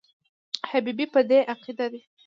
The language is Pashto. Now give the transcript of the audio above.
حبیبي په دې عقیده دی.